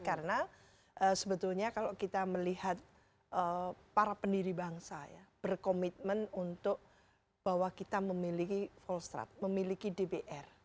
karena sebetulnya kalau kita melihat para pendiri bangsa berkomitmen untuk bahwa kita memiliki volstrat memiliki dpr